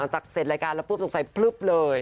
หลังจากเสร็จรายการแล้วปุ๊บสงสัยปลึ๊บเลย